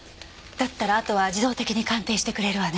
だったらあとは自動的に鑑定してくれるわね。